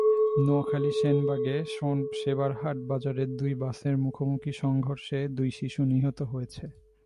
নোয়াখালীর সেনবাগের সেবারহাট বাজারে দুটি বাসের মুখোমুখি সংঘর্ষে দুই শিশু নিহত হয়েছে।